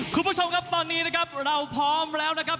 คุณผู้ชมครับตอนนี้นะครับเราพร้อมแล้วนะครับ